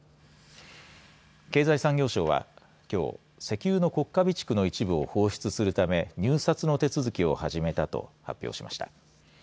経済産業省はきょう石油の国家備蓄の一部を放出するため入札の手続きを始めたと発表しました。